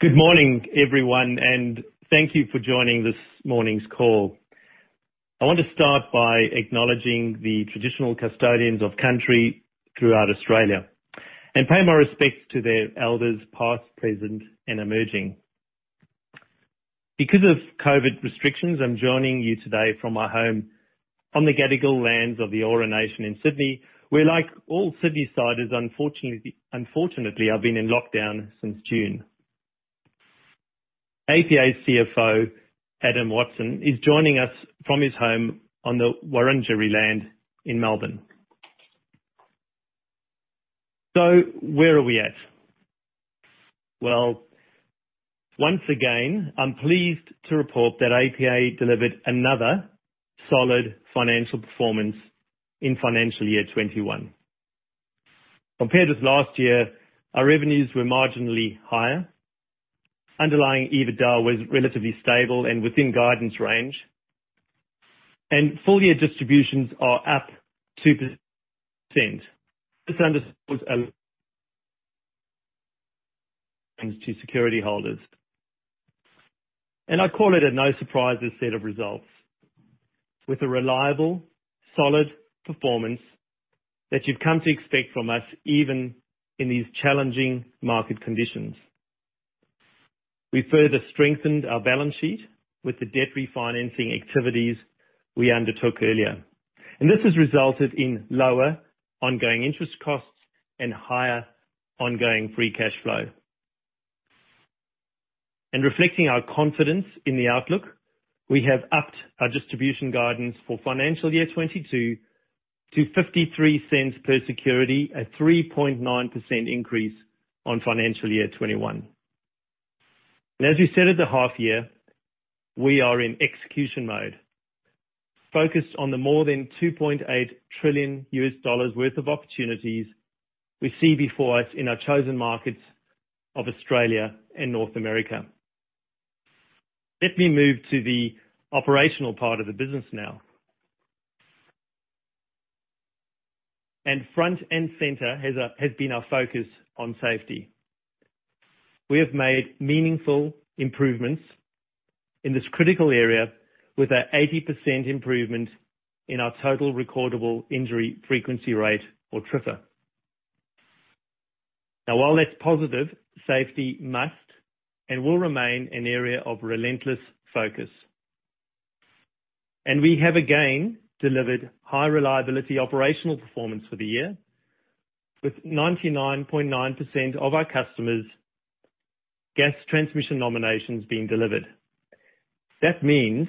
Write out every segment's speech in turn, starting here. Good morning, everyone, thank you for joining this morning's call. I want to start by acknowledging the traditional custodians of country throughout Australia and pay my respects to their elders, past, present, and emerging. Because of COVID restrictions, I'm joining you today from my home on the Gadigal lands of the Eora Nation in Sydney, where like all Sydneysiders, unfortunately, I've been in lockdown since June. APA CFO Adam Watson is joining us from his home on the Wurundjeri land in Melbourne. Where are we at? Well, once again, I'm pleased to report that APA delivered another solid financial performance in financial year 2021. Compared with last year, our revenues were marginally higher. Underlying EBITDA was relatively stable and within guidance range. Full-year distributions are up 2%. This underscores a to security holders. I call it a no surprises set of results, with a reliable, solid performance that you've come to expect from us, even in these challenging market conditions. We further strengthened our balance sheet with the debt refinancing activities we undertook earlier, and this has resulted in lower ongoing interest costs and higher ongoing free cash flow. Reflecting our confidence in the outlook, we have upped our distribution guidance for financial year 2022 to 0.53 per security, a 3.9% increase on financial year 2021. As we said at the half year, we are in execution mode, focused on the more than AUD 2.8 trillion worth of opportunities we see before us in our chosen markets of Australia and North America. Let me move to the operational part of the business now. Front and center has been our focus on safety. We have made meaningful improvements in this critical area with a 80% improvement in our total recordable injury frequency rate, or TRIFR. While that's positive, safety must and will remain an area of relentless focus. We have, again, delivered high-reliability operational performance for the year, with 99.9% of our customers' gas transmission nominations being delivered. That means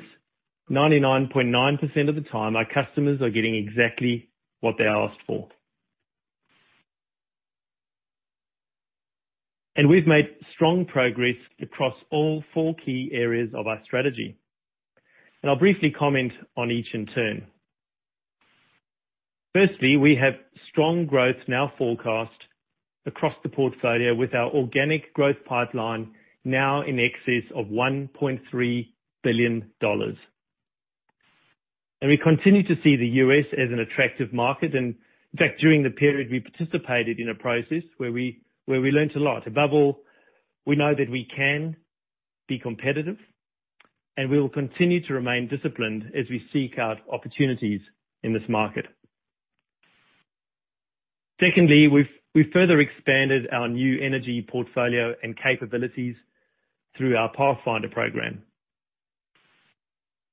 99.9% of the time, our customers are getting exactly what they asked for. We've made strong progress across all four key areas of our strategy, and I'll briefly comment on each in turn. Firstly, we have strong growth now forecast across the portfolio with our organic growth pipeline now in excess of 1.3 billion dollars. We continue to see the U.S. as an attractive market. In fact, during the period, we participated in a process where we learned a lot. Above all, we know that we can be competitive, and we will continue to remain disciplined as we seek out opportunities in this market. Secondly, we've further expanded our new energy portfolio and capabilities through our Pathfinder program.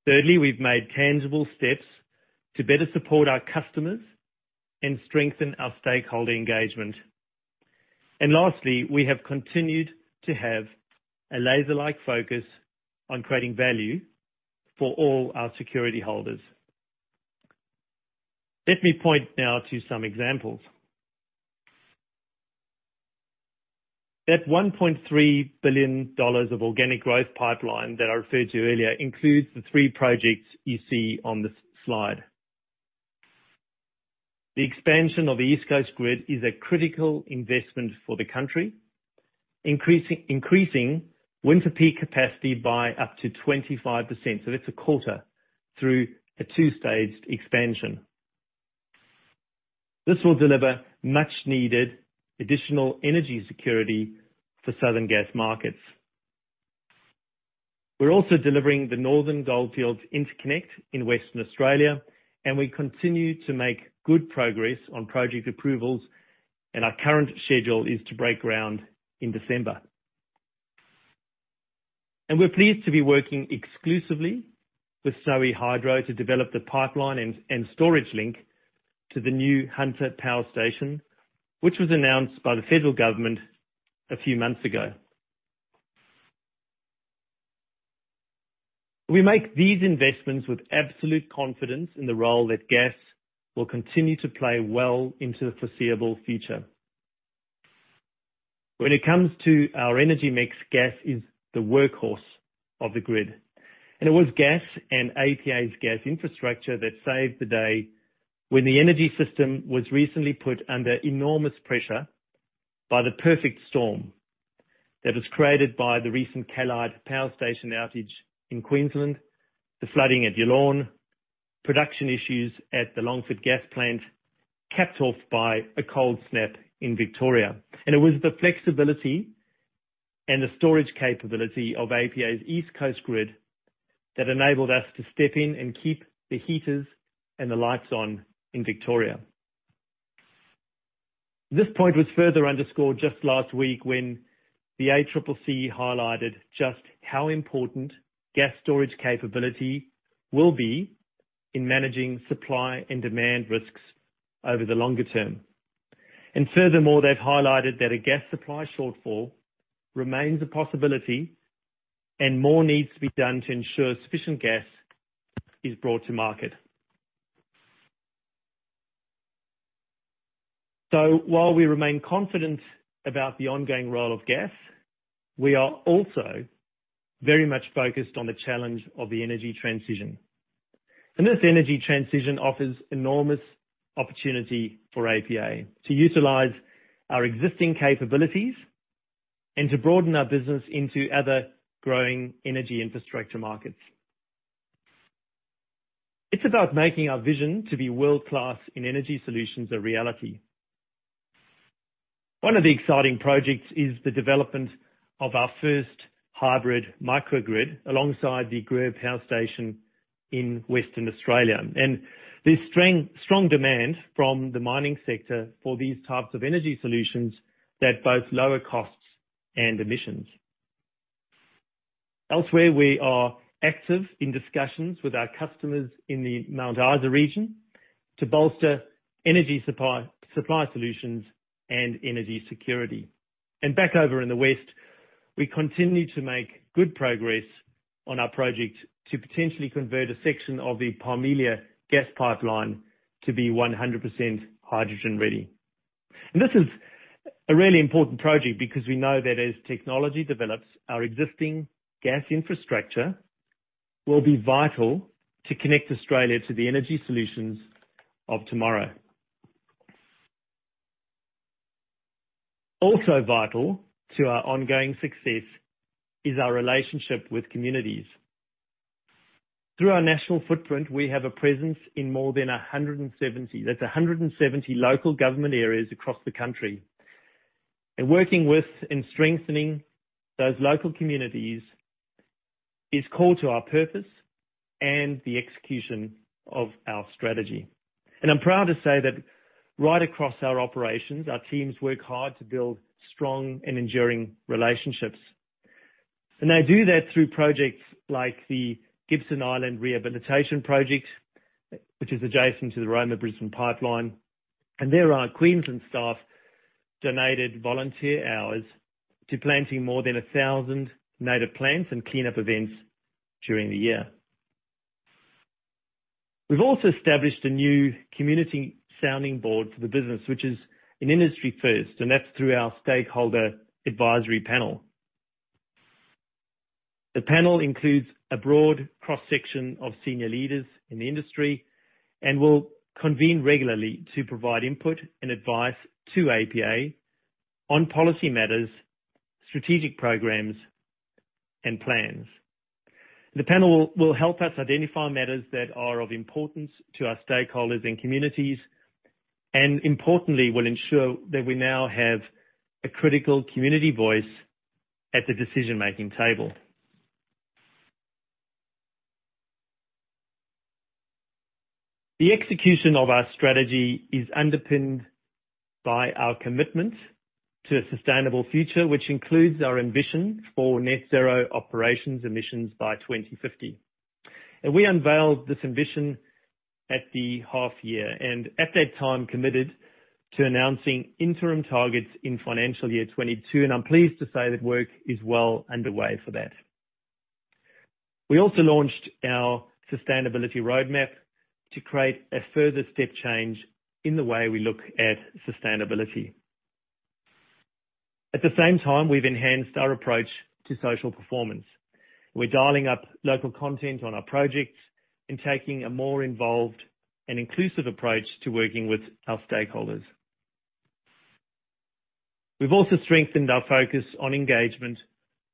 Thirdly, we've made tangible steps to better support our customers and strengthen our stakeholder engagement. Lastly, we have continued to have a laser-like focus on creating value for all our security holders. Let me point now to some examples. That 1.3 billion dollars of organic growth pipeline that I referred to earlier includes the three projects you see on this slide. The expansion of the East Coast Grid is a critical investment for the country, increasing winter peak capacity by up to 25%, so that's a quarter, through a two-staged expansion. This will deliver much needed additional energy security for Southern gas markets. We're also delivering the Northern Goldfields Interconnect in Western Australia. We continue to make good progress on project approvals. Our current schedule is to break ground in December. We're pleased to be working exclusively with Snowy Hydro to develop the pipeline and storage link to the new Hunter Power Station, which was announced by the federal government a few months ago. We make these investments with absolute confidence in the role that gas will continue to play well into the foreseeable future. When it comes to our energy mix, gas is the workhorse of the grid, and it was gas and APA's gas infrastructure that saved the day when the energy system was recently put under enormous pressure by the perfect storm that was created by the recent Callide Power Station outage in Queensland, the flooding at Yallourn, production issues at the Longford gas plant capped off by a cold snap in Victoria. It was the flexibility and the storage capability of APA's East Coast Grid that enabled us to step in and keep the heaters and the lights on in Victoria. This point was further underscored just last week when the ACCC highlighted just how important gas storage capability will be in managing supply and demand risks over the longer term. Furthermore, they've highlighted that a gas supply shortfall remains a possibility, and more needs to be done to ensure sufficient gas is brought to market. While we remain confident about the ongoing role of gas, we are also very much focused on the challenge of the energy transition. This energy transition offers enormous opportunity for APA to utilize our existing capabilities and to broaden our business into other growing energy infrastructure markets. It is about making our vision to be world-class in energy solutions a reality. One of the exciting projects is the development of our first hybrid microgrid alongside the Gruyere Power Station in Western Australia, and there is strong demand from the mining sector for these types of energy solutions that both lower costs and emissions. Elsewhere, we are active in discussions with our customers in the Mount Isa region to bolster energy supply solutions and energy security. Back over in the West, we continue to make good progress on our project to potentially convert a section of the Parmelia gas pipeline to be 100% hydrogen ready. This is a really important project because we know that as technology develops, our existing gas infrastructure will be vital to connect Australia to the energy solutions of tomorrow. Also vital to our ongoing success is our relationship with communities. Through our national footprint, we have a presence in more than 170, that's 170 local government areas across the country, working with and strengthening those local communities is core to our purpose and the execution of our strategy. I'm proud to say that right across our operations, our teams work hard to build strong and enduring relationships, and they do that through projects like the Gibson Island Rehabilitation Project, which is adjacent to the Roma Brisbane Pipeline. There, our Queensland staff donated volunteer hours to planting more than 1,000 native plants and clean-up events during the year. We've also established a new community sounding board for the business, which is an industry first, and that's through our stakeholder advisory panel. The panel includes a broad cross-section of senior leaders in the industry and will convene regularly to provide input and advice to APA on policy matters, strategic programs, and plans. The panel will help us identify matters that are of importance to our stakeholders and communities, and importantly, will ensure that we now have a critical community voice at the decision-making table. The execution of our strategy is underpinned by our commitment to a sustainable future, which includes our ambition for net zero operations emissions by 2050. We unveiled this ambition at the half year and at that time committed to announcing interim targets in FY 2022, and I'm pleased to say that work is well underway for that. We also launched our sustainability roadmap to create a further step change in the way we look at sustainability. At the same time, we've enhanced our approach to social performance. We're dialing up local content on our projects and taking a more involved and inclusive approach to working with our stakeholders. We've also strengthened our focus on engagement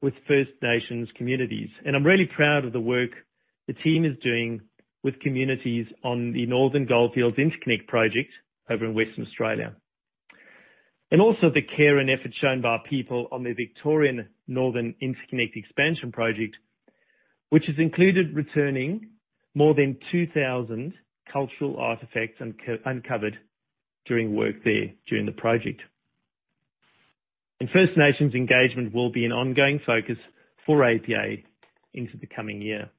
with First Nations communities, and I'm really proud of the work the team is doing with communities on the Northern Goldfields Interconnect project over in Western Australia. Also the care and effort shown by our people on the Victorian Northern Interconnect Expansion Project, which has included returning more than 2,000 cultural artifacts uncovered during work there during the project. First Nations engagement will be an ongoing focus for APA into the coming year.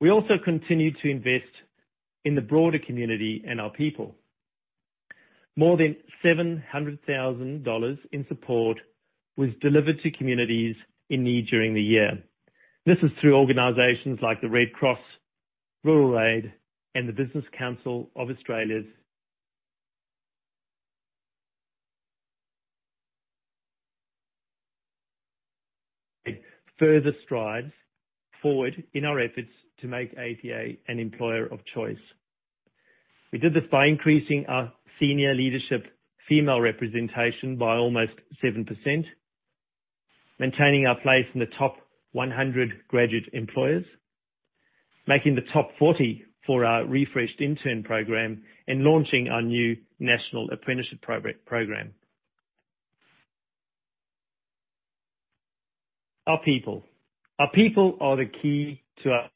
We also continue to invest in the broader community and our people. More than 700,000 dollars in support was delivered to communities in need during the year. This is through organizations like the Red Cross, Rural Aid, and the Business Council of Australia. We made further strides forward in our efforts to make APA an employer of choice. We did this by increasing our senior leadership female representation by almost 7%, maintaining our place in the top 100 graduate employers, making the top 40 for our refreshed intern program, and launching our new national apprenticeship program. Our people. Our people are the key to our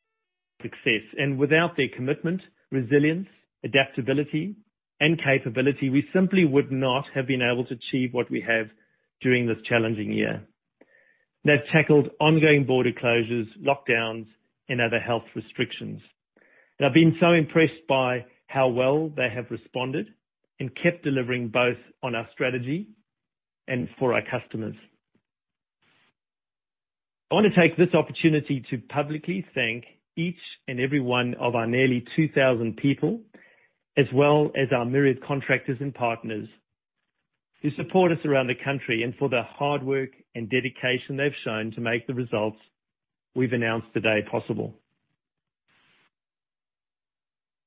success, and without their commitment, resilience, adaptability, and capability, we simply would not have been able to achieve what we have during this challenging year. They've tackled ongoing border closures, lockdowns, and other health restrictions. I've been so impressed by how well they have responded and kept delivering both on our strategy and for our customers. I want to take this opportunity to publicly thank each and every one of our nearly 2,000 people, as well as our myriad contractors and partners, who support us around the country, and for the hard work and dedication they've shown to make the results we've announced today possible.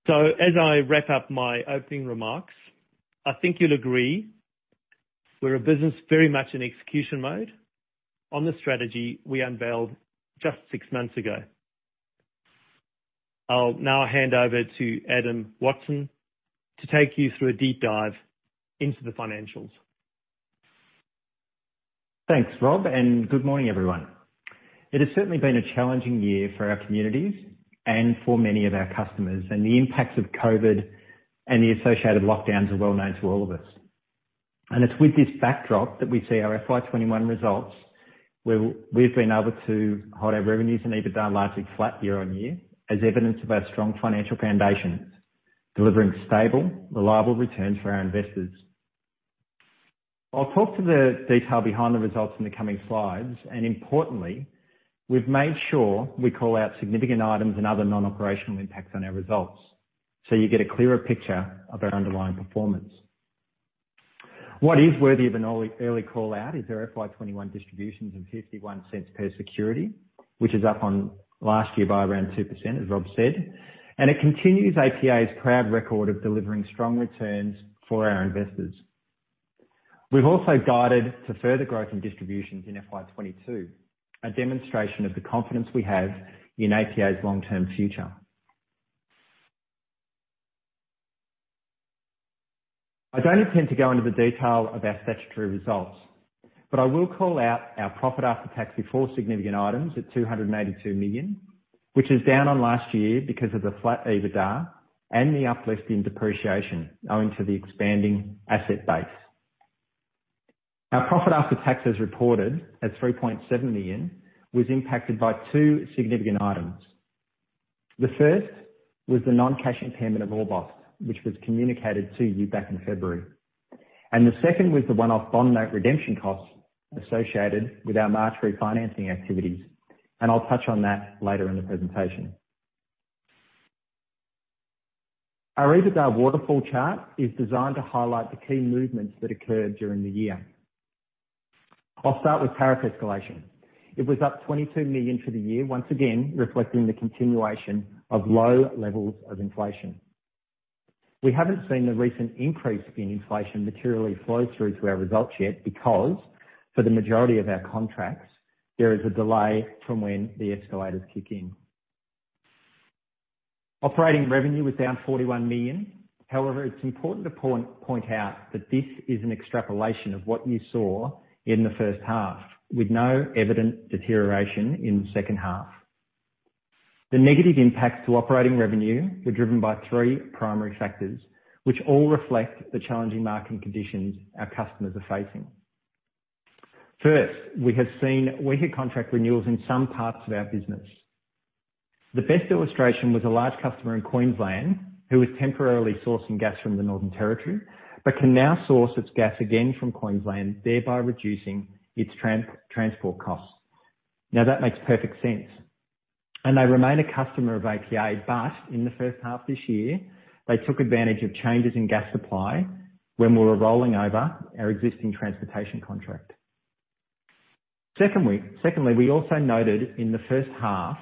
As I wrap up my opening remarks, I think you'll agree, we're a business very much in execution mode on the strategy we unveiled just six months ago. I'll now hand over to Adam Watson to take you through a deep dive into the financials. Thanks, Rob. Good morning, everyone. It has certainly been a challenging year for our communities and for many of our customers. The impacts of COVID and the associated lockdowns are well-known to all of us. It's with this backdrop that we see our FY 2021 results, where we've been able to hold our revenues and EBITDA largely flat year-on-year as evidence of our strong financial foundations, delivering stable, reliable returns for our investors. I'll talk to the detail behind the results in the coming slides. Importantly, we've made sure we call out significant items and other non-operational impacts on our results so you get a clearer picture of our underlying performance. What is worthy of an early call-out is our FY 2021 distributions of 0.51 per security, which is up on last year by around 2%, as Rob said, and it continues APA's proud record of delivering strong returns for our investors. We've also guided to further growth and distributions in FY 2022, a demonstration of the confidence we have in APA's long-term future. I don't intend to go into the detail of our statutory results, but I will call out our profit after tax before significant items at 282 million, which is down on last year because of the flat EBITDA and the uplift in depreciation owing to the expanding asset base. Our profit after tax, as reported, at 3.7 million, was impacted by two significant items. The first was the non-cash impairment of Orbost, which was communicated to you back in February. The second was the one-off bond note redemption costs associated with our March refinancing activities, and I'll touch on that later in the presentation. Our EBITDA waterfall chart is designed to highlight the key movements that occurred during the year. I'll start with tariff escalation. It was up 22 million for the year, once again, reflecting the continuation of low levels of inflation. We haven't seen the recent increase in inflation materially flow through to our results yet because, for the majority of our contracts, there is a delay from when the escalators kick in. Operating revenue was down 41 million. However, it's important to point out that this is an extrapolation of what you saw in the first half, with no evident deterioration in the second half. The negative impacts to operating revenue were driven by three primary factors, which all reflect the challenging market conditions our customers are facing. First, we have seen weaker contract renewals in some parts of our business. The best illustration was a large customer in Queensland who was temporarily sourcing gas from the Northern Territory, but can now source its gas again from Queensland, thereby reducing its transport costs. Now, that makes perfect sense, and they remain a customer of APA. But in the first half this year, they took advantage of changes in gas supply when we were rolling over our existing transportation contract. Secondly, we also noted in the first half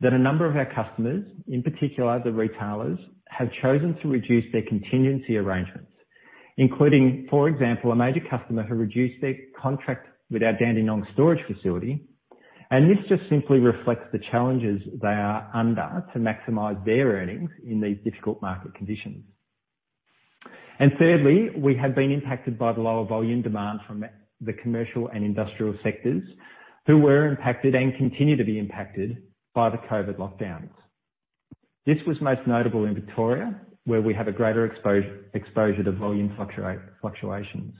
that a number of our customers, in particular the retailers, have chosen to reduce their contingency arrangements, including, for example, a major customer who reduced their contract with our Dandenong storage facility. This just simply reflects the challenges they are under to maximize their earnings in these difficult market conditions. Thirdly, we have been impacted by the lower volume demand from the commercial and industrial sectors who were impacted and continue to be impacted by the COVID lockdowns. This was most notable in Victoria, where we have a greater exposure to volume fluctuations.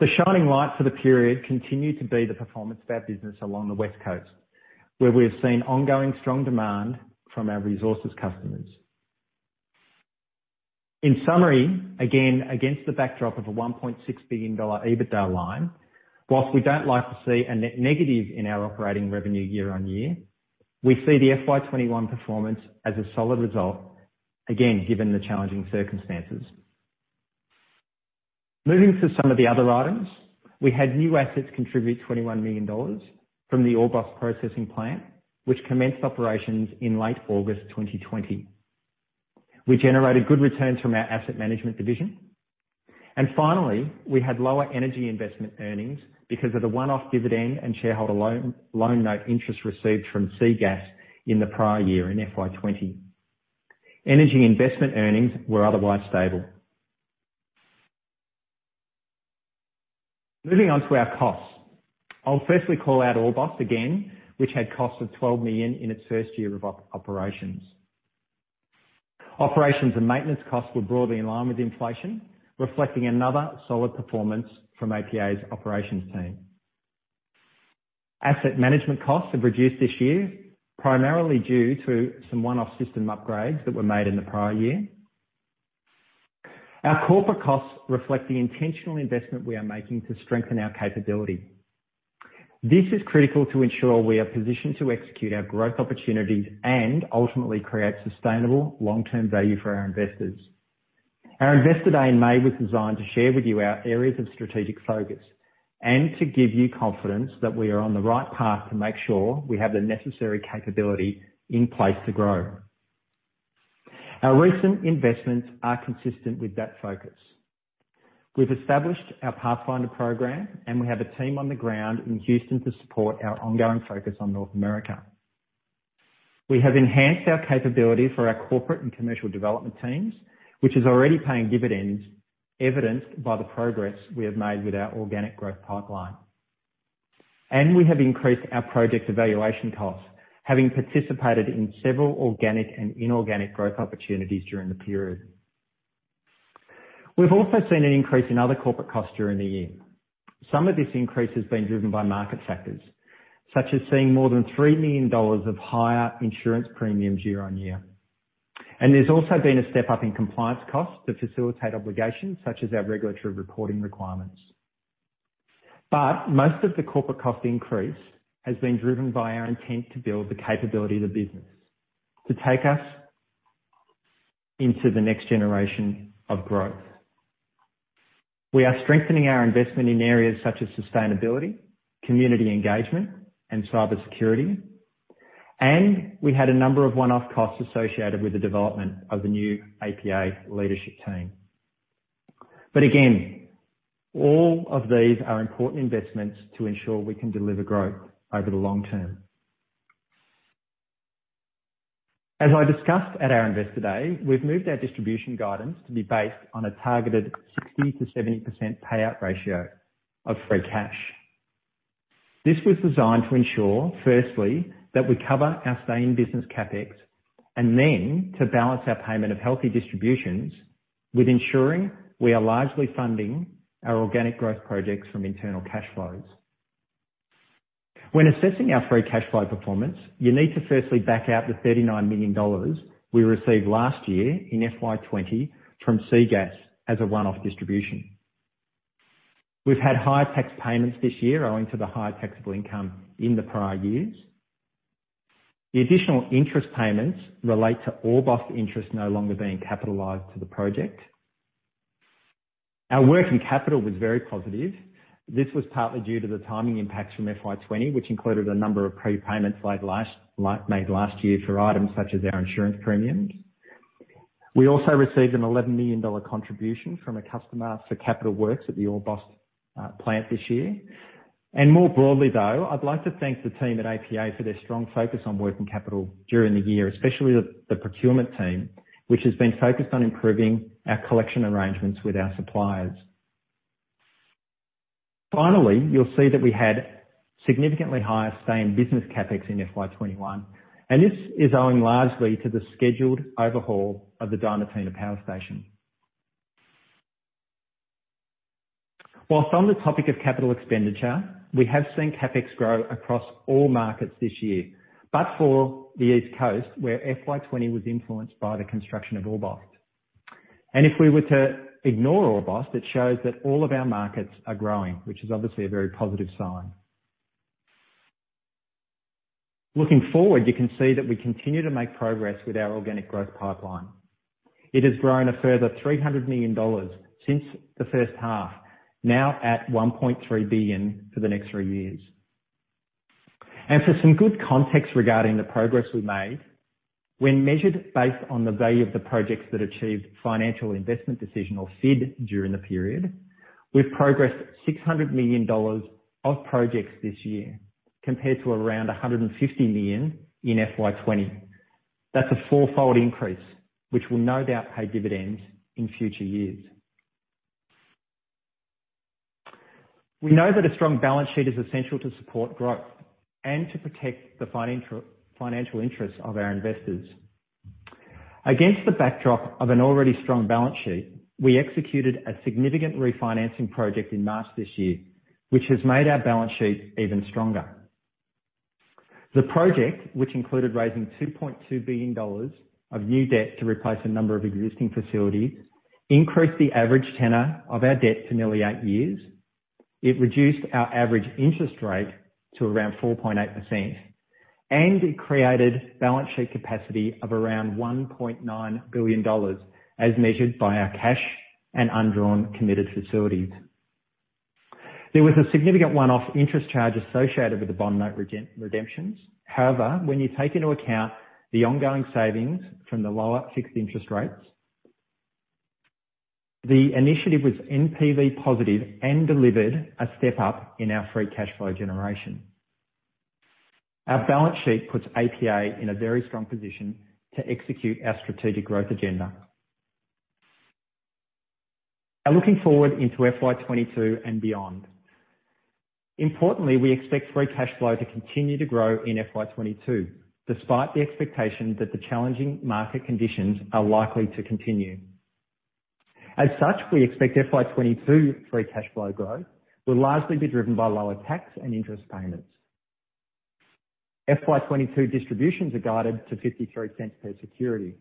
The shining light for the period continued to be the performance of our business along the West Coast, where we have seen ongoing strong demand from our resources customers. In summary, again, against the backdrop of a 1.6 billion dollar EBITDA line, whilst we don't like to see a net negative in our operating revenue year-on-year, we see the FY 2021 performance as a solid result, again, given the challenging circumstances. Moving to some of the other items, we had new assets contribute 21 million dollars from the Orbost processing plant, which commenced operations in late August 2020. We generated good returns from our asset management division. Finally, we had lower energy investment earnings because of the one-off dividend and shareholder loan note interest received from SEA Gas in the prior year, in FY 2020. Energy investment earnings were otherwise stable. Moving on to our costs. I'll firstly call out Orbost again, which had costs of 12 million in its first year of operations. Operations and maintenance costs were broadly in line with inflation, reflecting another solid performance from APA's operations team. Asset management costs have reduced this year, primarily due to some one-off system upgrades that were made in the prior year. Our corporate costs reflect the intentional investment we are making to strengthen our capability. This is critical to ensure we are positioned to execute our growth opportunities and ultimately create sustainable long-term value for our investors. Our Investor Day in May was designed to share with you our areas of strategic focus and to give you confidence that we are on the right path to make sure we have the necessary capability in place to grow. Our recent investments are consistent with that focus. We've established our Pathfinder program, and we have a team on the ground in Houston to support our ongoing focus on North America. We have enhanced our capability for our corporate and commercial development teams, which is already paying dividends, evidenced by the progress we have made with our organic growth pipeline. We have increased our project evaluation costs, having participated in several organic and inorganic growth opportunities during the period. We've also seen an increase in other corporate costs during the year. Some of this increase has been driven by market factors, such as seeing more than 3 million dollars of higher insurance premiums year-on-year. There's also been a step-up in compliance costs to facilitate obligations such as our regulatory reporting requirements. Most of the corporate cost increase has been driven by our intent to build the capability of the business to take us into the next generation of growth. We are strengthening our investment in areas such as sustainability, community engagement and cybersecurity. We had a number of one-off costs associated with the development of the new APA leadership team. Again, all of these are important investments to ensure we can deliver growth over the long term. As I discussed at our Investor Day, we've moved our distribution guidance to be based on a targeted 60%-70% payout ratio of free cash. This was designed to ensure, firstly, that we cover our staying business CapEx, then to balance our payment of healthy distributions with ensuring we are largely funding our organic growth projects from internal cash flows. When assessing our free cash flow performance, you need to firstly back out the 39 million dollars we received last year in FY 2020 from SEA Gas as a one-off distribution. We've had higher tax payments this year owing to the higher taxable income in the prior years. The additional interest payments relate to Orbost interest no longer being capitalized to the project. Our working capital was very positive. This was partly due to the timing impacts from FY 2020, which included a number of prepayments made last year for items such as our insurance premiums. We also received an 11 million dollar contribution from a customer for capital works at the Orbost plant this year. More broadly, though, I'd like to thank the team at APA for their strong focus on working capital during the year, especially the procurement team, which has been focused on improving our collection arrangements with our suppliers. Finally, you'll see that we had significantly higher staying business CapEx in FY 2021, and this is owing largely to the scheduled overhaul of the Diamantina Power Station. Whilst on the topic of capital expenditure, we have seen CapEx grow across all markets this year, but for the East Coast, where FY 2020 was influenced by the construction of Orbost. If we were to ignore Orbost, it shows that all of our markets are growing, which is obviously a very positive sign. Looking forward, you can see that we continue to make progress with our organic growth pipeline. It has grown a further 300 million dollars since the first half, now at 1.3 billion for the next three years. For some good context regarding the progress we made, when measured based on the value of the projects that achieved financial investment decision or FID during the period, we've progressed 600 million dollars of projects this year compared to around 150 million in FY 2020. That's a four-fold increase, which will no doubt pay dividends in future years. We know that a strong balance sheet is essential to support growth and to protect the financial interests of our investors. Against the backdrop of an already strong balance sheet, we executed a significant refinancing project in March this year, which has made our balance sheet even stronger. The project, which included raising 2.2 billion dollars of new debt to replace a number of existing facilities, increased the average tenor of our debt to nearly eight years. It reduced our average interest rate to around 4.8%, and it created balance sheet capacity of around 1.9 billion dollars, as measured by our cash and undrawn committed facilities. There was a significant one-off interest charge associated with the bond note redemptions. However, when you take into account the ongoing savings from the lower fixed interest rates, the initiative was NPV positive and delivered a step up in our free cash flow generation. Our balance sheet puts APA in a very strong position to execute our strategic growth agenda. Looking forward into FY 2022 and beyond. Importantly, we expect free cash flow to continue to grow in FY 2022, despite the expectation that the challenging market conditions are likely to continue. As such, we expect FY 2022 free cash flow growth will largely be driven by lower tax and interest payments. FY 2022 distributions are guided to 0.53 per security,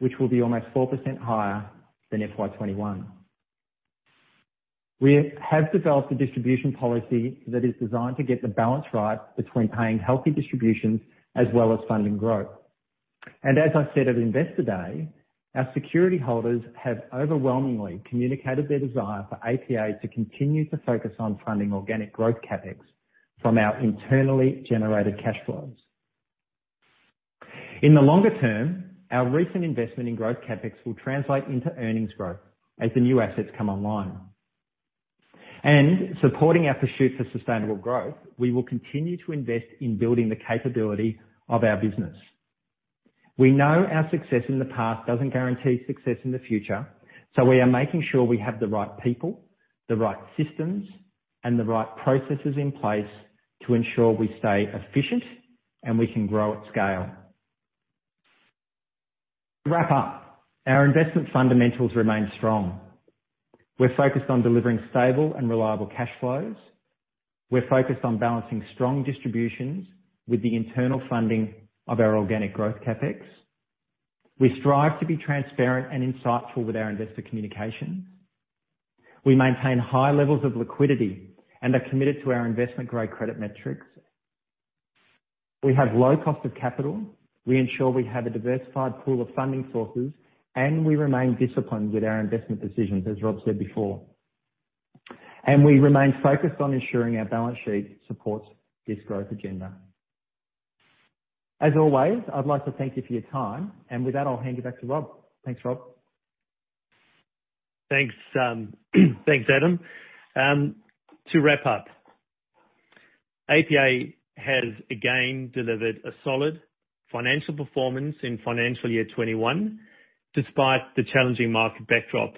which will be almost 4% higher than FY 2021. We have developed a distribution policy that is designed to get the balance right between paying healthy distributions as well as funding growth. As I said at Investor Day, our security holders have overwhelmingly communicated their desire for APA to continue to focus on funding organic growth CapEx from our internally generated cash flows. In the longer term, our recent investment in growth CapEx will translate into earnings growth as the new assets come online. Supporting our pursuit for sustainable growth, we will continue to invest in building the capability of our business. We know our success in the past doesn't guarantee success in the future, we are making sure we have the right people, the right systems, and the right processes in place to ensure we stay efficient and we can grow at scale. To wrap up, our investment fundamentals remain strong. We're focused on delivering stable and reliable cash flows. We're focused on balancing strong distributions with the internal funding of our organic growth CapEx. We strive to be transparent and insightful with our investor communication. We maintain high levels of liquidity and are committed to our investment-grade credit metrics. We have low cost of capital. We ensure we have a diversified pool of funding sources, we remain disciplined with our investment decisions, as Rob said before. We remain focused on ensuring our balance sheet supports this growth agenda. As always, I'd like to thank you for your time. With that, I'll hand it back to Rob. Thanks, Rob. Thanks, Adam. To wrap up, APA has again delivered a solid financial performance in financial year 2021, despite the challenging market backdrop,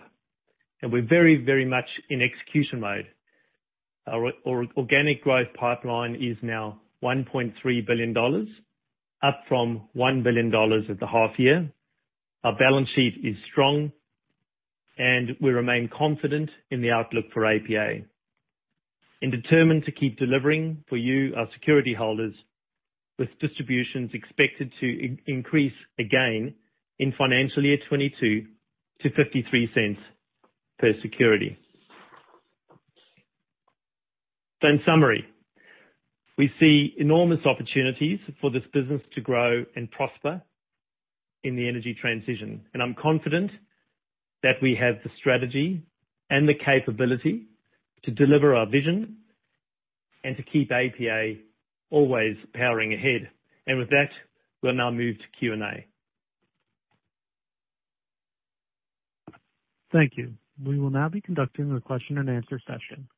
and we're very, very much in execution mode. Our organic growth pipeline is now 1.3 billion dollars, up from 1 billion dollars at the half year. Our balance sheet is strong, and we remain confident in the outlook for APA and determined to keep delivering for you, our security holders, with distributions expected to increase again in financial year 2022 to 0.53 per security. In summary, we see enormous opportunities for this business to grow and prosper in the energy transition, and I'm confident that we have the strategy and the capability to deliver our vision and to keep APA always powering ahead. With that, we'll now move to Q&A. Thank you. We will now be conducting a question and answer session.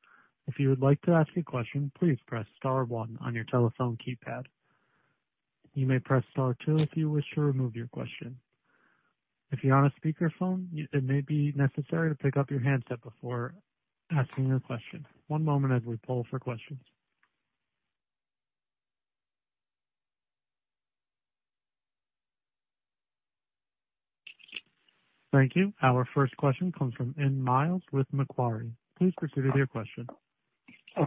If you would like to ask a question, please press star one on your telephone keypad. You may press star two if you wish to remove your question. If you are on speakerphone, you may need to pick up your handset before asking your question. One moment as we poll for questions. Our first question comes from Ian Myles with Macquarie. Please proceed with your question.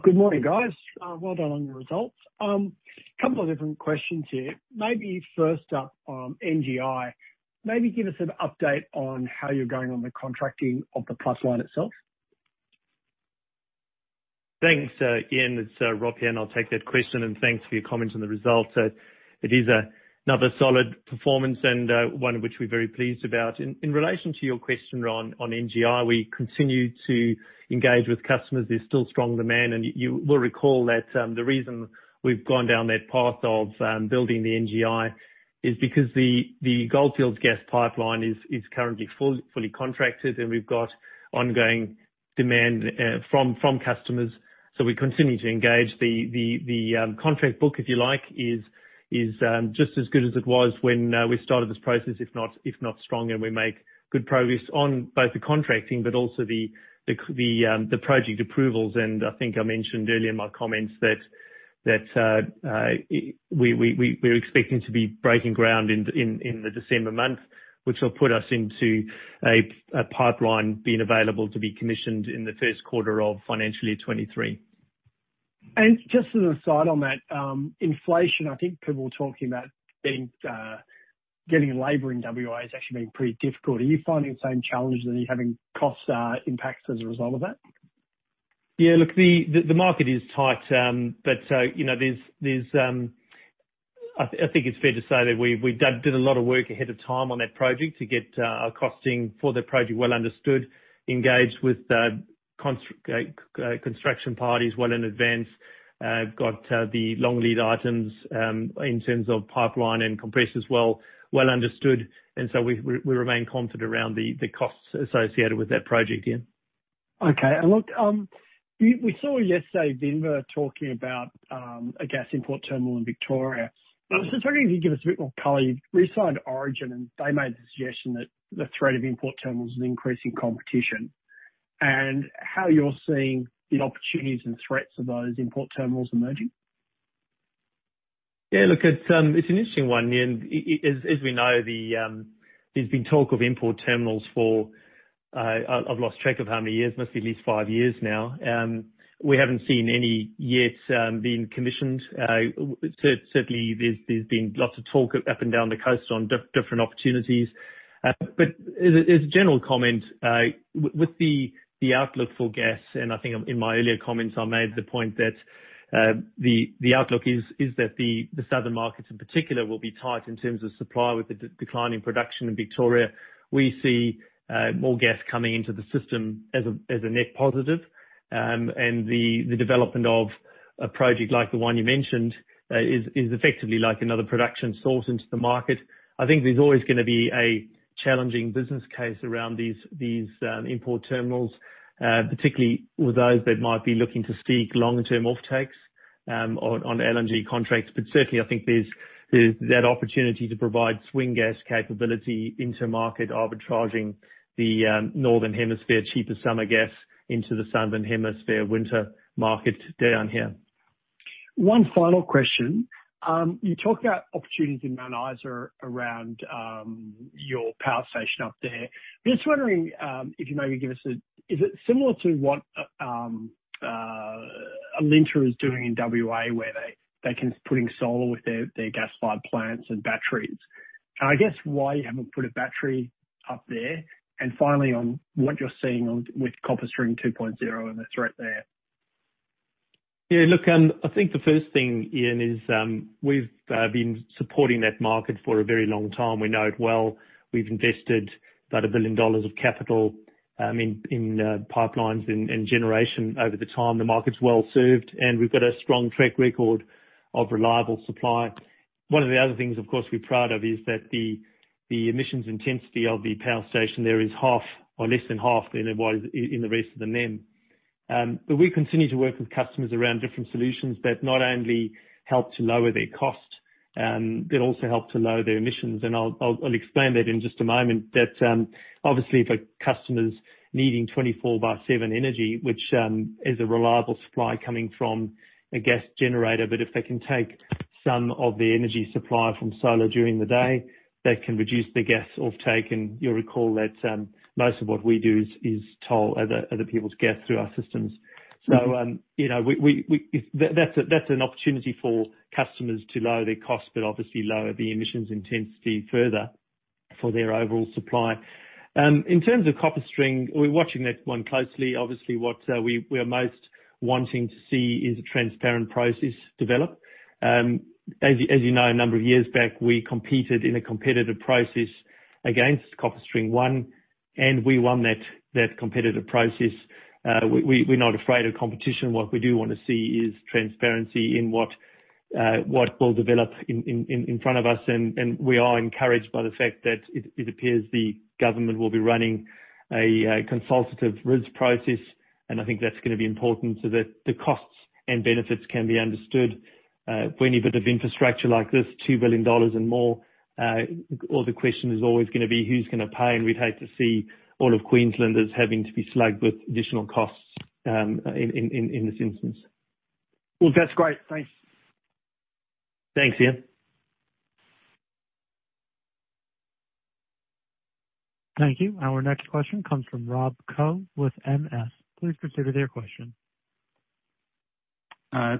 Good morning, guys. Well done on the results. Couple of different questions here. Maybe first up, NGI. Maybe give us an update on how you're going on the contracting of the pipeline itself. Thanks, Ian. It's Rob here, and I'll take that question, and thanks for your comments on the results. It is another solid performance and one which we're very pleased about. In relation to your question on NGI, we continue to engage with customers. There's still strong demand. You will recall that the reason we've gone down that path of building the NGI is because the Goldfields Gas Pipeline is currently fully contracted, and we've got ongoing demand from customers, so we continue to engage. The contract book, if you like, is just as good as it was when we started this process, if not stronger. We make good progress on both the contracting but also the project approvals. I think I mentioned earlier in my comments that we're expecting to be breaking ground in the December month, which will put us into a pipeline being available to be commissioned in the first quarter of financial year 2023. Just as an aside on that, inflation, I think people were talking about getting labor in W.A. has actually been pretty difficult. Are you finding the same challenge that you're having cost impacts as a result of that? Yeah, look, the market is tight. I think it's fair to say that we did a lot of work ahead of time on that project to get our costing for the project well understood, engaged with construction parties well in advance, got the long lead items in terms of pipeline and compressors well understood. We remain confident around the costs associated with that project, Ian. Okay. Look, we saw yesterday Viva talking about a gas import terminal in Victoria. I was just wondering if you could give us a bit more color. You saw at Origin, and they made the suggestion that the threat of import terminals is increasing competition, and how you're seeing the opportunities and threats of those import terminals emerging. Yeah, look, it's an interesting one, Ian. As we know, there's been talk of import terminals for, I've lost track of how many years. Must be at least five years now. We haven't seen any yet being commissioned. Certainly, there's been lots of talk up and down the coast on different opportunities. As a general comment, with the outlook for gas, and I think in my earlier comments, I made the point that the outlook is that the southern markets in particular will be tight in terms of supply with the declining production in Victoria. We see more gas coming into the system as a net positive. The development of a project like the one you mentioned, is effectively like another production source into the market. I think there's always going to be a challenging business case around these import terminals, particularly with those that might be looking to seek long-term off-takes on LNG contracts. Certainly, I think there's that opportunity to provide swing gas capability into market arbitraging the northern hemisphere cheaper summer gas into the southern hemisphere winter market down here. One final question. You talk about opportunities in Mount Isa around your power station up there. I'm just wondering if you maybe give us a Is it similar to what Alinta is doing in W.A., where they can putting solar with their gas-fired plants and batteries. I guess why you haven't put a battery up there. Finally, on what you're seeing on with CopperString 2.0 and the threat there. Look, I think the first thing, Ian, is we've been supporting that market for a very long time. We know it well. We've invested about 1 billion dollars of capital in pipelines and generation over the time. The market's well-served, and we've got a strong track record of reliable supply. One of the other things, of course, we're proud of is that the emissions intensity of the power station there is half or less than half than it was in the rest of the NEM. We continue to work with customers around different solutions that not only help to lower their cost, but also help to lower their emissions. I'll explain that in just a moment. That, obviously for customers needing 24/7 energy, which is a reliable supply coming from a gas generator, but if they can take some of the energy supply from solar during the day, that can reduce the gas off-take. You'll recall that most of what we do is toll other people's gas through our systems. That's an opportunity for customers to lower their costs but obviously lower the emissions intensity further for their overall supply. In terms of CopperString, we're watching that one closely. Obviously, what we are most wanting to see is a transparent process develop. As you know, a number of years back, we competed in a competitive process against CopperString 1.0, and we won that competitive process. We're not afraid of competition. What we do want to see is transparency in what will develop in front of us. We are encouraged by the fact that it appears the government will be running a consultative risk process. I think that's going to be important so that the costs and benefits can be understood. For any bit of infrastructure like this, 2 billion dollars and more, or the question is always going to be who's going to pay, and we'd hate to see all of Queenslanders having to be slugged with additional costs in this instance. Well, that's great. Thanks. Thanks, Ian. Thank you. Our next question comes from Rob Koh with MS. Please proceed with your question.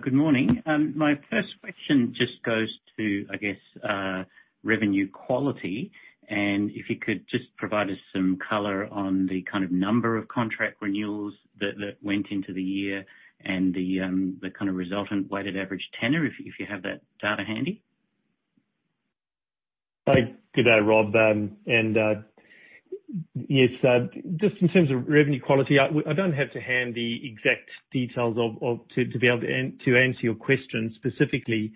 Good morning. My first question just goes to, I guess, revenue quality, and if you could just provide us some color on the kind of number of contract renewals that went into the year and the kind of resultant weighted average tenure, if you have that data handy? G'day, Rob. Yes, just in terms of revenue quality, I don't have to hand the exact details to be able to answer your question specifically.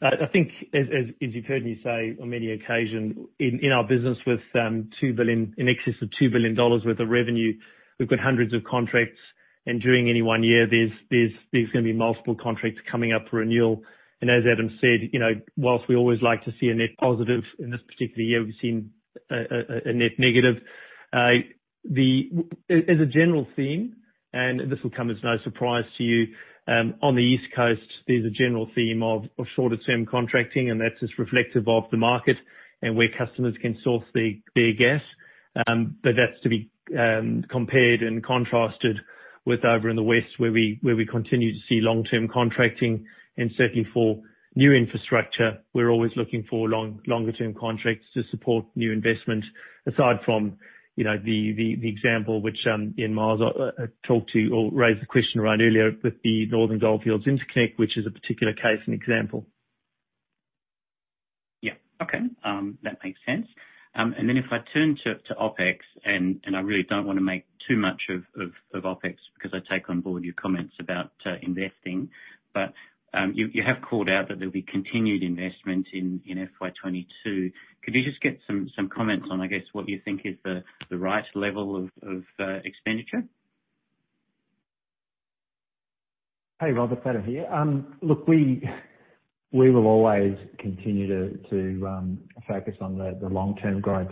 I think as you've heard me say on many occasions, in our business with in excess of 2 billion dollars worth of revenue, we've got hundreds of contracts. During any one year, there's going to be multiple contracts coming up for renewal. As Adam said, whilst we always like to see a net positive, in this particular year, we've seen a net negative. As a general theme, this will come as no surprise to you, on the East Coast, there's a general theme of shorter-term contracting. That's just reflective of the market and where customers can source their gas. That's to be compared and contrasted with over in the west, where we continue to see long-term contracting. Certainly for new infrastructure, we're always looking for longer-term contracts to support new investment. Aside from the example which Ian Myles talked to or raised the question around earlier with the Northern Goldfields Interconnect, which is a particular case and example. Yeah. Okay. That makes sense. If I turn to OpEx, and I really don't want to make too much of OpEx because I take on board your comments about investing, but you have called out that there'll be continued investment in FY 2022. Could we just get some comments on, I guess, what you think is the right level of expenditure? Hey, Rob, Adam here. Look, we will always continue to focus on the long-term growth.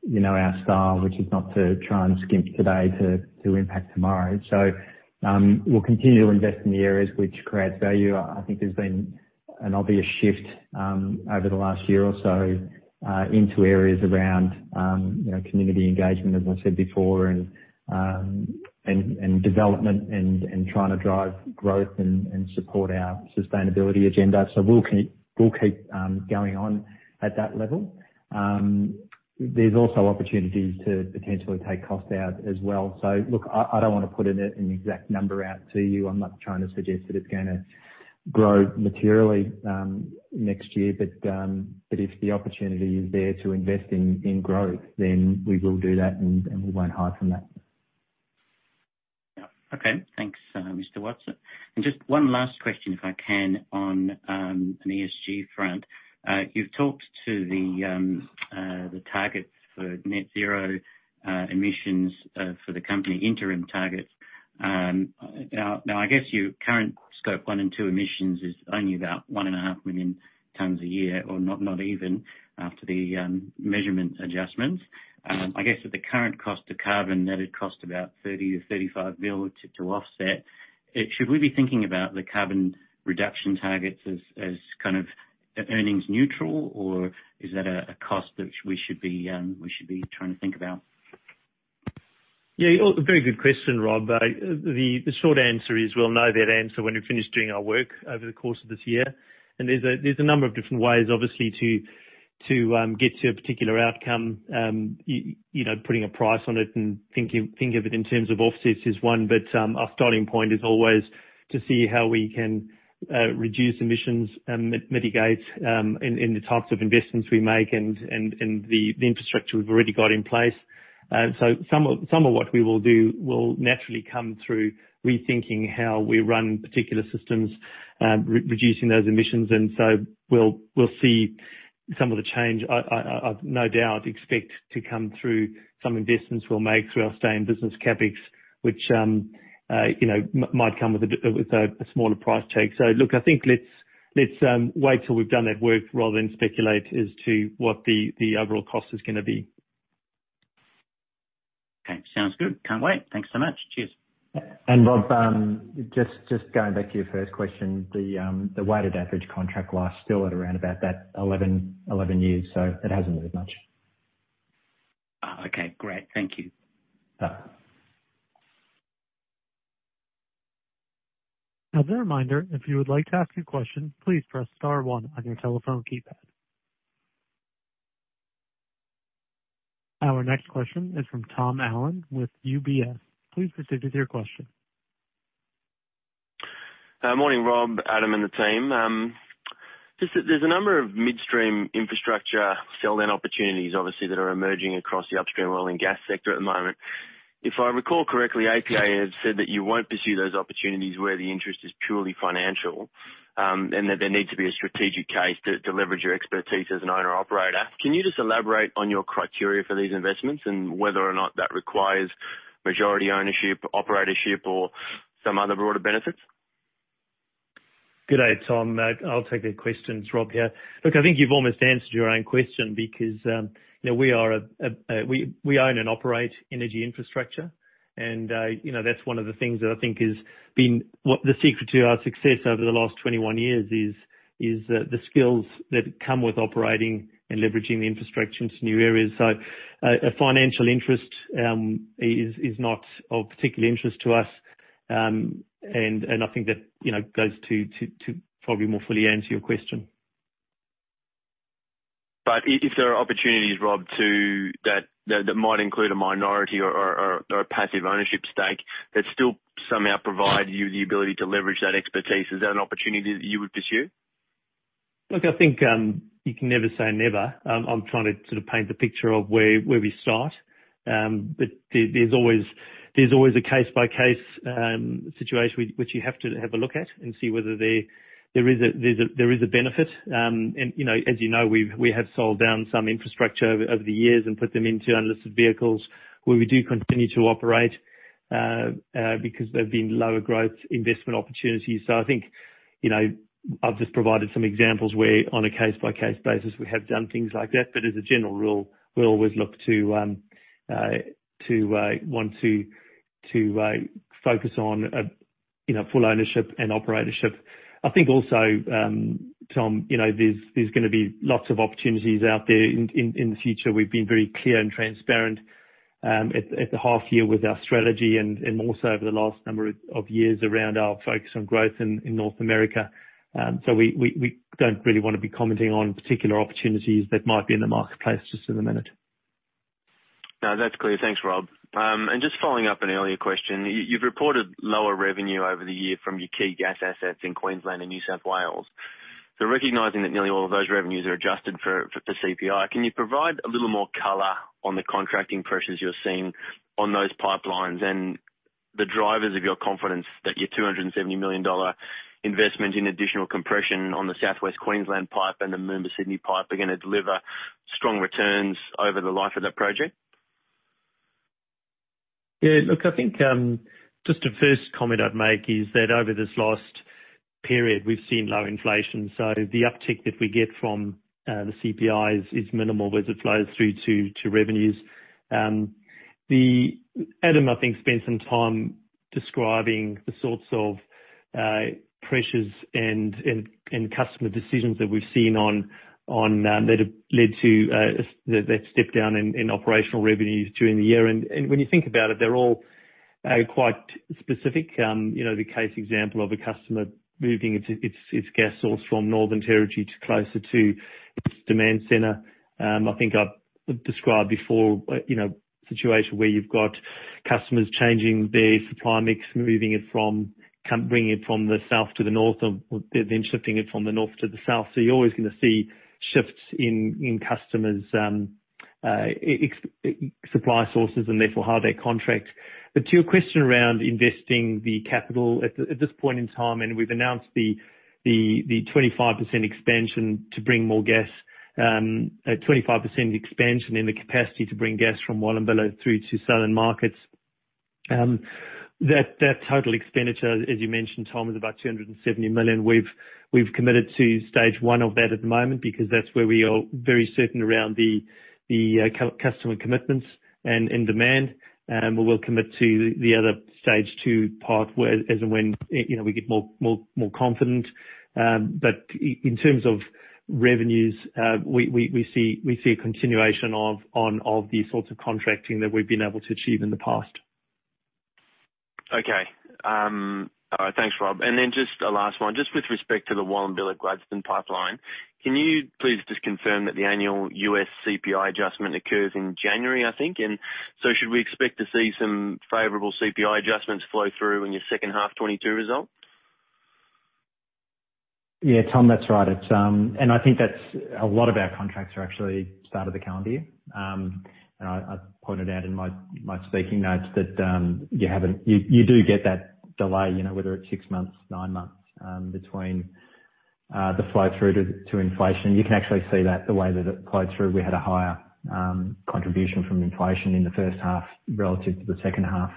You know our style, which is not to try and skimp today to impact tomorrow. We'll continue to invest in the areas which creates value. I think there's been an obvious shift over the last year or so into areas around community engagement, as I said before, and development and trying to drive growth and support our sustainability agenda. We'll keep going on at that level. There's also opportunities to potentially take cost out as well. Look, I don't want to put an exact number out to you. I'm not trying to suggest that it's going to grow materially next year. If the opportunity is there to invest in growth, then we will do that, and we won't hide from that. Okay. Thanks, Mr. Watson. Just one last question, if I can, on an ESG front. You've talked to the targets for net zero emissions for the company interim targets. I guess your current scope 1 and 2 emissions is only about 1.5 million tons a year, or not even, after the measurement adjustments. I guess at the current cost of carbon, that it'd cost about 30 million-35 million to offset. Should we be thinking about the carbon reduction targets as earnings neutral, or is that a cost which we should be trying to think about? Yeah. A very good question, Rob. The short answer is we'll know that answer when we've finished doing our work over the course of this year. There's a number of different ways, obviously, to get to a particular outcome. Putting a price on it and think of it in terms of offsets is one, but our starting point is always to see how we can reduce emissions and mitigate in the types of investments we make and the infrastructure we've already got in place. Some of what we will do will naturally come through rethinking how we run particular systems, reducing those emissions. We'll see some of the change. I've no doubt expect to come through some investments we'll make through our staying business CapEx, which might come with a smaller price tag. Look, I think let's wait till we've done that work rather than speculate as to what the overall cost is going to be. Okay. Sounds good. Can't wait. Thanks so much. Cheers. Rob, just going back to your first question, the weighted average contract lasts still at around about that 11 years. It hasn't moved much. Oh, okay. Great. Thank you. Yeah. As a reminder, if you would like to ask a question, please press star one on your telephone keypad. Our next question is from Tom Allen with UBS. Please proceed with your question. Morning, Rob, Adam, and the team. There's a number of midstream infrastructure sell-down opportunities, obviously, that are emerging across the upstream oil and gas sector at the moment. If I recall correctly, APA has said that you won't pursue those opportunities where the interest is purely financial, and that there needs to be a strategic case to leverage your expertise as an owner-operator. Can you just elaborate on your criteria for these investments and whether or not that requires majority ownership, operatorship or some other broader benefits? Good day, Tom. I'll take that question. It's Rob here. I think you've almost answered your own question because we own and operate energy infrastructure, and that's one of the things that I think the secret to our success over the last 21 years is the skills that come with operating and leveraging the infrastructure into new areas. A financial interest is not of particular interest to us. I think that goes to probably more fully answer your question. If there are opportunities, Rob, that might include a minority or a passive ownership stake that still somehow provide you the ability to leverage that expertise, is that an opportunity that you would pursue? Look, I think you can never say never. I'm trying to sort of paint the picture of where we start. There's always a case-by-case situation which you have to have a look at and see whether there is a benefit. As you know, we have sold down some infrastructure over the years and put them into unlisted vehicles where we do continue to operate because they've been lower growth investment opportunities. I think, I've just provided some examples where on a case-by-case basis, we have done things like that. As a general rule, we always look to want to focus on full ownership and operatorship. I think also, Tom, there's going to be lots of opportunities out there in the future. We've been very clear and transparent, at the half year with our strategy and more so over the last number of years, around our focus on growth in North America. We don't really want to be commenting on particular opportunities that might be in the marketplace just at the minute. No, that's clear. Thanks, Rob. Just following up an earlier question. You've reported lower revenue over the year from your key gas assets in Queensland and New South Wales. Recognizing that nearly all of those revenues are adjusted for CPI, can you provide a little more color on the contracting pressures you're seeing on those pipelines, and the drivers of your confidence that your 270 million dollar investment in additional compression on the South West Queensland Pipe and the Moomba Sydney Pipe are going to deliver strong returns over the life of that project? Yeah, look, I think, just the first comment I'd make is that over this last period, we've seen low inflation. The uptick that we get from the CPI is minimal as it flows through to revenues. Adam, I think, spent some time describing the sorts of pressures and customer decisions that we've seen that have led to that step down in operational revenues during the year. When you think about it, they're all quite specific. The case example of a customer moving its gas source from Northern Territory to closer to its demand center. I think I've described before a situation where you've got customers changing their supply mix, bringing it from the south to the north, or then shifting it from the north to the south. You're always going to see shifts in customers' supply sources and therefore how they contract. To your question around investing the capital at this point in time, and we've announced the 25% expansion to bring more gas, a 25% expansion in the capacity to bring gas from Wallumbilla through to southern markets. That total expenditure, as you mentioned, Tom, is about 270 million. We've committed to stage 1 of that at the moment because that's where we are very certain around the customer commitments and in demand. We will commit to the other stage 2 part as and when we get more confident. In terms of revenues, we see a continuation of the sorts of contracting that we've been able to achieve in the past. Okay. All right, thanks, Rob. Just a last one, just with respect to the Wallumbilla to Gladstone Pipeline, can you please just confirm that the annual U.S. CPI adjustment occurs in January, I think? Should we expect to see some favorable CPI adjustments flow through in your second half 2022 result? Yeah, Tom, that's right. I think that a lot of our contracts are actually start of the calendar year. I pointed out in my speaking notes that you do get that delay, whether it's six months, nine months, between the flow-through to inflation. You can actually see that the way that it flowed through, we had a higher contribution from inflation in the first half relative to the second half,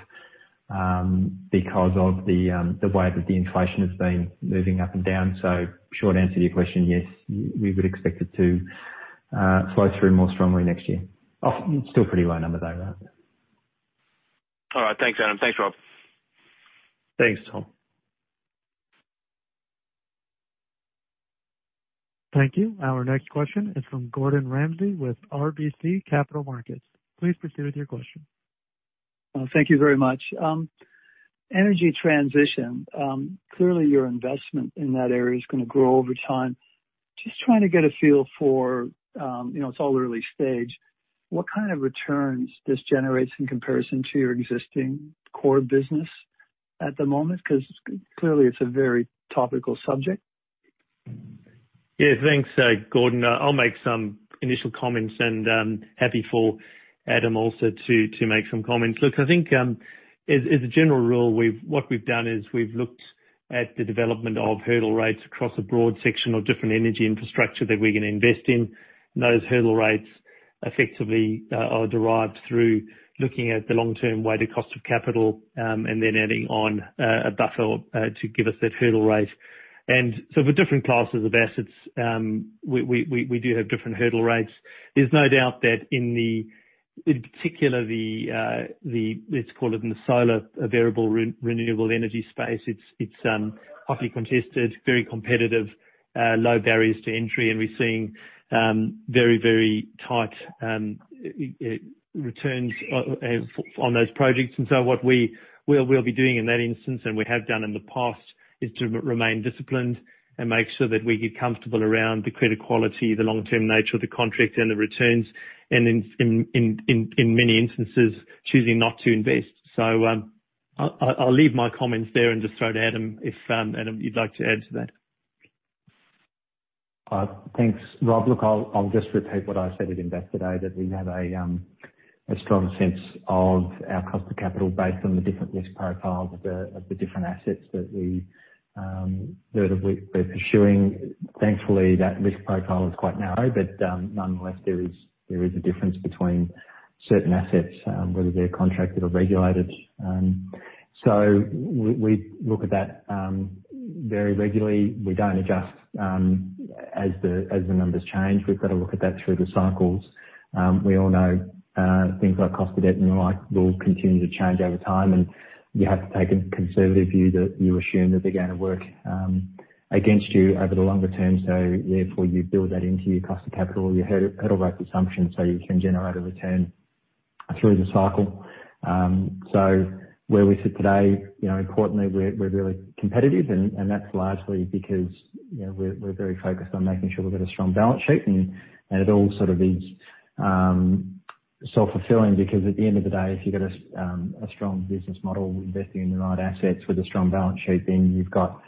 because of the way that the inflation has been moving up and down. Short answer to your question, yes, we would expect it to flow through more strongly next year. Still pretty low number though. All right. Thanks, Adam. Thanks, Rob. Thanks, Tom. Thank you. Our next question is from Gordon Ramsay with RBC Capital Markets. Please proceed with your question. Thank you very much. Energy transition, clearly your investment in that area is going to grow over time. Just trying to get a feel for, it's all early stage, what kind of returns this generates in comparison to your existing core business at the moment? Clearly it's a very topical subject. Thanks, Gordon. I'll make some initial comments and happy for Adam also to make some comments. I think, as a general rule, what we've done is we've looked at the development of hurdle rates across a broad section of different energy infrastructure that we're going to invest in. Those hurdle rates effectively are derived through looking at the long-term weighted cost of capital, and then adding on a buffer to give us that hurdle rate. For different classes of assets, we do have different hurdle rates. There's no doubt that in particular the, let's call it in the solar variable renewable energy space, it's highly contested, very competitive, low barriers to entry, and we're seeing very, very tight returns on those projects. What we'll be doing in that instance and we have done in the past, is to remain disciplined and make sure that we get comfortable around the credit quality, the long-term nature of the contract and the returns. In many instances, choosing not to invest. I'll leave my comments there and just throw to Adam, if, Adam, you'd like to add to that. Thanks, Rob. Look, I'll just repeat what I said at Investor Day, that we have a strong sense of our cost of capital based on the different risk profiles of the different assets that we're pursuing. Thankfully, that risk profile is quite narrow, nonetheless, there is a difference between certain assets, whether they're contracted or regulated. We look at that very regularly. We don't adjust as the numbers change. We've got to look at that through the cycles. We all know things like cost of debt and the like will continue to change over time, you have to take a conservative view that you assume that they're going to work against you over the longer term. Therefore, you build that into your cost of capital or your hurdle rate assumption, you can generate a return through the cycle. Where we sit today, importantly, we're really competitive, and that's largely because we're very focused on making sure we've got a strong balance sheet and it all sort of is self-fulfilling because at the end of the day, if you've got a strong business model investing in the right assets with a strong balance sheet, then you've got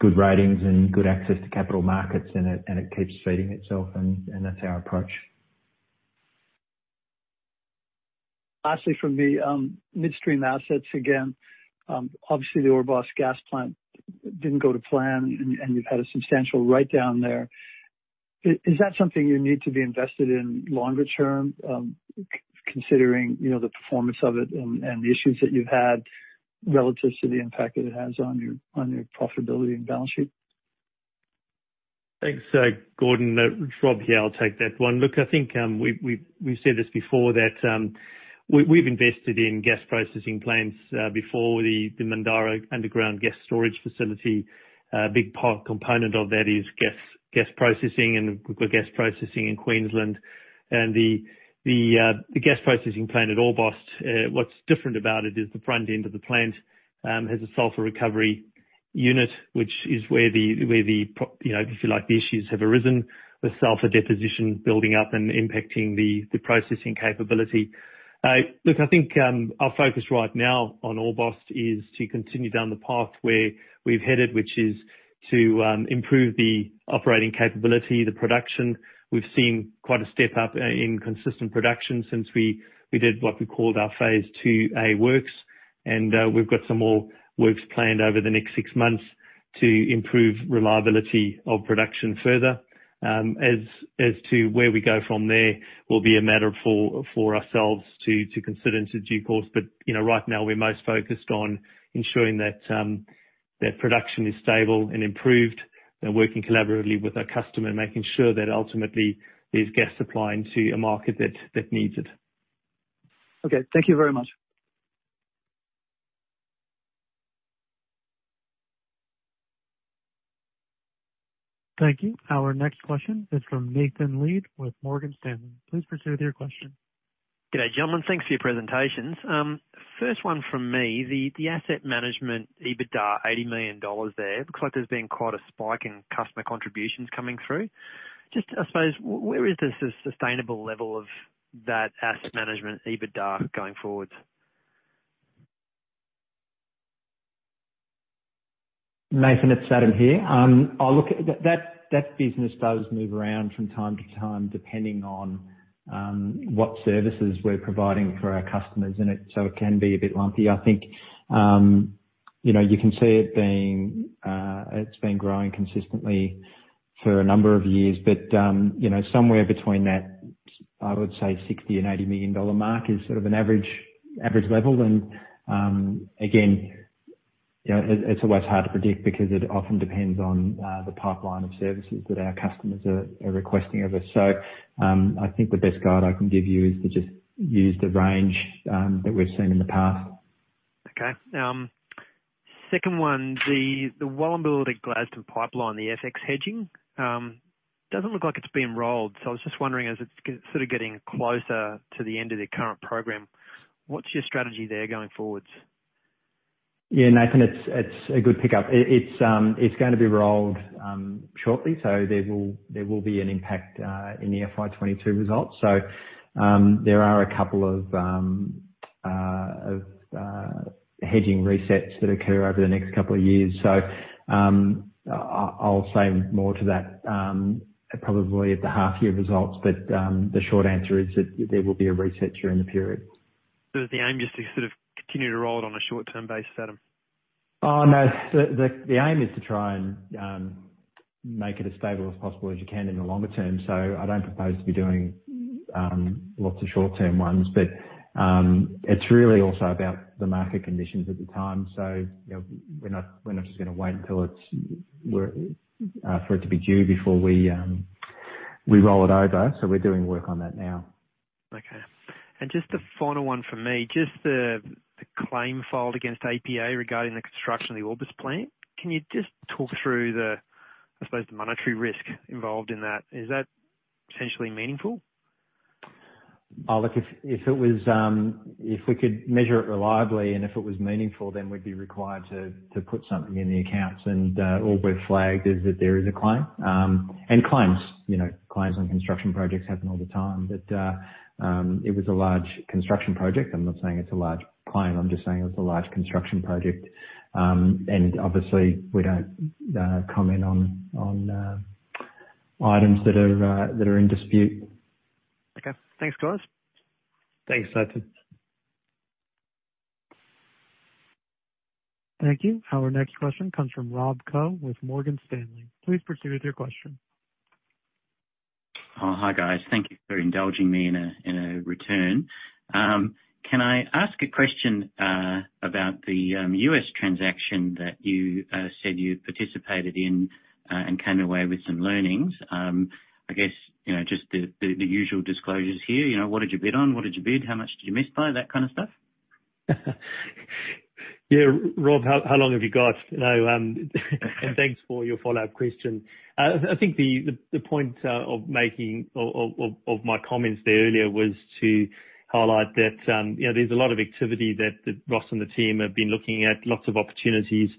good ratings and good access to capital markets and it keeps feeding itself. That's our approach. Lastly, from the midstream assets, again, obviously the Orbost gas plant didn't go to plan, and you've had a substantial write-down there. Is that something you need to be invested in longer term, considering the performance of it and the issues that you've had relative to the impact that it has on your profitability and balance sheet? Thanks, Gordon. Rob here. I'll take that one. I think we've said this before, that we've invested in gas processing plants before the Mondarra underground gas storage facility. A big component of that is gas processing, and we've got gas processing in Queensland. The gas processing plant at Orbost, what's different about it is the front end of the plant, has a sulfur recovery unit, which is where, if you like, the issues have arisen with sulfur deposition building up and impacting the processing capability. I think our focus right now on Orbost is to continue down the path where we've headed, which is to improve the operating capability, the production. We've seen quite a step up in consistent production since we did what we called our phase II-A works. We've got some more works planned over the next six months to improve reliability of production further. As to where we go from there will be a matter for ourselves to consider into due course. Right now, we're most focused on ensuring that their production is stable and improved and working collaboratively with our customer, making sure that ultimately there's gas supply into a market that needs it. Okay. Thank you very much. Thank you. Our next question is from Nathan Lead with Morgan Stanley. Please proceed with your question. G'day, gentlemen. Thanks for your presentations. First one from me, the asset management, EBITDA, 80 million dollars there. Looks like there's been quite a spike in customer contributions coming through. Just, I suppose, where is the sustainable level of that asset management EBITDA going forward? Nathan, it's Adam here. Look, that business does move around from time to time, depending on what services we're providing for our customers. It can be a bit lumpy. I think you can see it's been growing consistently for a number of years. Somewhere between that, I would say 60 million and 80 million dollar mark is sort of an average level. Again, it's always hard to predict because it often depends on the pipeline of services that our customers are requesting of us. I think the best guide I can give you is to just use the range that we've seen in the past. Okay. Second one, the Wallumbilla to Gladstone Pipeline, the FX hedging. Doesn't look like it's being rolled. I was just wondering, as it's sort of getting closer to the end of the current program, what's your strategy there going forward? Yeah, Nathan, it's a good pickup. It's going to be rolled shortly. There will be an impact in the FY 2022 results. There are a couple of hedging resets that occur over the next couple of years. I'll say more to that probably at the half-year results. The short answer is that there will be a reset during the period. Is the aim just to sort of continue to roll it on a short-term basis, Adam? Oh, no. The aim is to try and make it as stable as possible as you can in the longer term. I don't propose to be doing lots of short-term ones. It's really also about the market conditions at the time. We're not just going to wait until for it to be due before we roll it over. We're doing work on that now. Okay. Just a final one from me. Just the claim filed against APA regarding the construction of the Orbost plant. Can you just talk through the, I suppose, the monetary risk involved in that? Is that potentially meaningful? Look, if we could measure it reliably and if it was meaningful, then we'd be required to put something in the accounts. All we've flagged is that there is a claim. Claims on construction projects happen all the time. It was a large construction project. I'm not saying it's a large claim, I'm just saying it was a large construction project. Obviously we don't comment on items that are in dispute. Okay. Thanks, guys. Thanks, Nathan. Thank you. Our next question comes from Rob Koh with Morgan Stanley. Please proceed with your question. Hi, guys. Thank you for indulging me in a return. Can I ask a question about the U.S. transaction that you said you participated in and came away with some learnings? I guess just the usual disclosures here. What did you bid on? What did you bid? How much did you miss by? That kind of stuff. Rob, how long have you got? Thanks for your follow-up question. I think the point of my comments there earlier was to highlight that there's a lot of activity that Ross and the team have been looking at, lots of opportunities.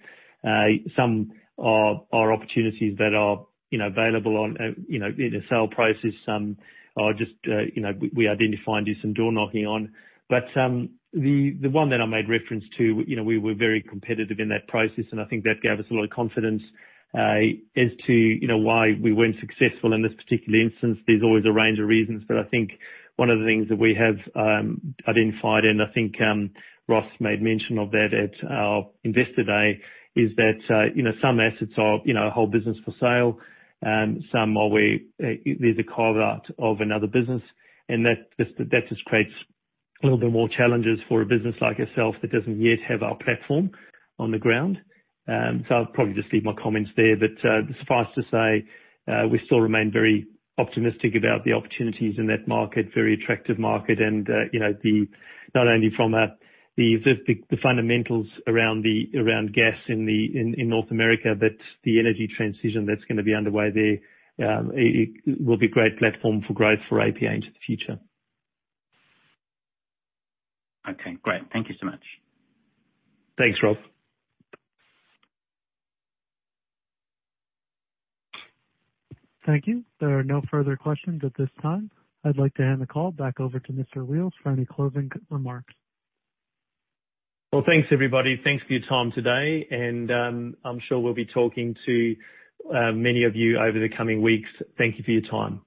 Some are opportunities that are available in a sale process. Some we identified, did some door-knocking on. The one that I made reference to, we were very competitive in that process, and I think that gave us a lot of confidence. As to why we weren't successful in this particular instance, there's always a range of reasons. I think one of the things that we have identified, and I think Ross made mention of that at our Investor Day, is that some assets are whole business for sale, some there's a carve-out of another business. That just creates a little bit more challenges for a business like yourself that doesn't yet have our platform on the ground. I'll probably just leave my comments there. Suffice to say, we still remain very optimistic about the opportunities in that market, very attractive market. Not only from the fundamentals around gas in North America, but the energy transition that's going to be underway there. It will be great platform for growth for APA into the future. Okay, great. Thank you so much. Thanks, Rob. Thank you. There are no further questions at this time. I'd like to hand the call back over to Rob Wheals for any closing remarks. Well, thanks, everybody. Thanks for your time today. I'm sure we'll be talking to many of you over the coming weeks. Thank you for your time.